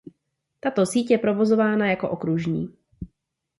Tato síť je provozována jako okružní.